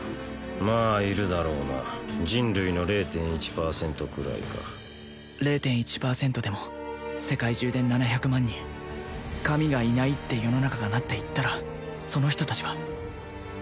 まあいるだろうな人類の０．１％くらいか０．１％でも世界中で７００万人神がいないって世の中がなっていったらその人達は？